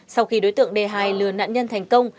sau khi đối tượng d hai lừa nạn nhân thành công